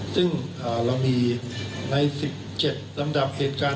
ซึ่งเรามีใน๑๗ลำดับเหตุการณ์